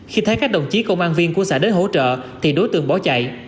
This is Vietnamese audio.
khi thấy các đồng chí công an viên của xã đến hỗ trợ thì đối tượng bỏ chạy